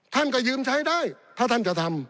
ท่านก็ยืมใช้ได้ถ้าท่านจะทำ